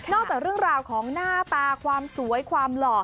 จากเรื่องราวของหน้าตาความสวยความหล่อ